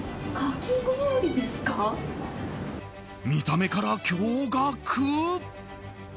見た目から驚愕。